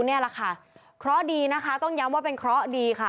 เคราะห์ดีนะคะต้องย้ำว่าเป็นเคราะห์ดีค่ะ